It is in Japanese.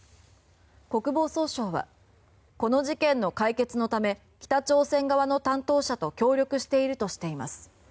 国防総省はこの事件の解決のため北朝鮮側の担当者と協力しているとしています。